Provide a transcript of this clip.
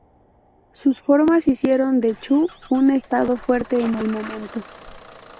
Sus reformas hicieron de Chu un estado fuerte en el momento.